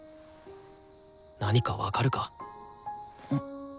何か分かるか？